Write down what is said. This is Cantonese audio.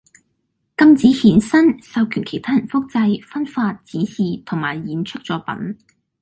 禁止衍生，授權其他人複製，分發，展示同埋演出作品